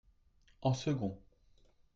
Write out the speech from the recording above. en second.